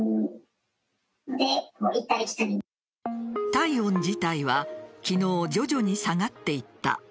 体温自体は昨日、徐々に下がっていった。